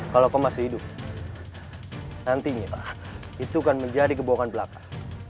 kalau kau masih hidup nantinya pak itu akan menjadi kebohongan belaka